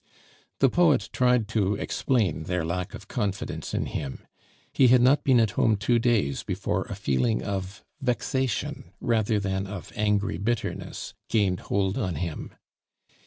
The poet tried to explain their lack of confidence in him; he had not been at home two days before a feeling of vexation rather than of angry bitterness gained hold on him.